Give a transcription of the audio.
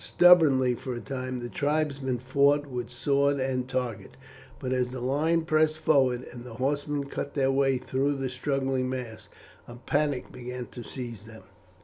Stubbornly for a time the tribesmen fought with sword and target; but as the line pressed forward, and the horsemen cut their way through the struggling mass, a panic began to seize them.